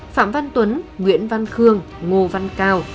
phạm văn tuấn nguyễn văn khương ngô văn cao